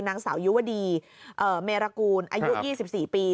นางสาวยุวดีเมรกูลอายุ๒๔ปี